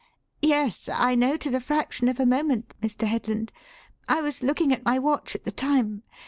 "Yes, I know to the fraction of a moment, Mr. Headland. I was looking at my watch at the time.